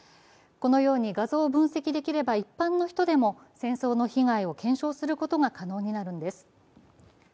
このように画像を分析できれば一般の人でも戦争の被害を検証することが可能になるんです。